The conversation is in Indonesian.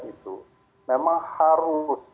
itu memang harus